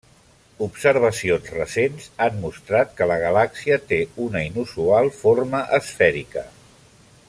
Observacions recents han mostrat que la galàxia té una inusual forma esfèrica.